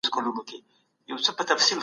حکومتونه د مظلومانو د دفاع لپاره څه لیکي؟